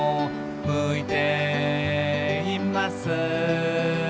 「向いています」